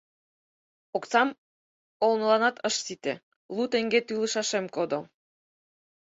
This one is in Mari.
Оксам олныланат ыш сите, лу теҥге тӱлышашем кодо.